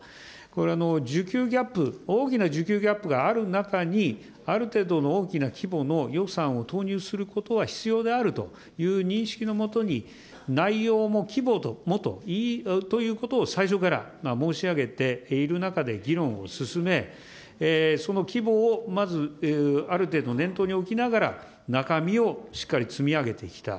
これ需給ギャップ、大きな需給ギャップがある中に、ある程度の大きな規模の予算を投入することは必要であるという認識の下に、内容も規模もということを最初から申し上げている中で議論を進め、その規模をまず、ある程度、念頭に置きながら、中身をしっかり積み上げてきた。